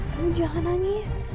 kamu jangan nangis